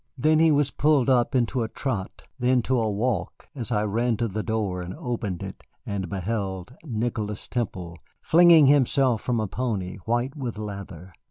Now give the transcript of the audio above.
Then he was pulled up into a trot, then to a walk as I ran to the door and opened it and beheld Nicholas Temple flinging himself from a pony white with lather.